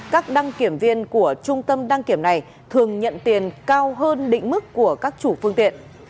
các đăng kiểm viên của trung tâm đăng kiểm này thường nhận tiền cao hơn định mức của các chủ phương tiện